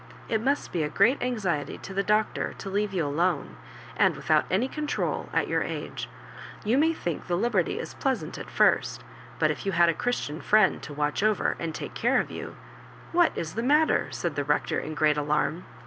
It must be a great anxiety to the Doctor to leare you alone, and without any control, at your age. You may think the liberty Js pleasant at first, but if you had a Christian friend to watch over and take care of you ^What is the matter ?" said the Rector, in great alarm.